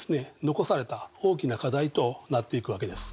残された大きな課題となっていくわけです。